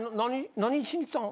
何しに来たん？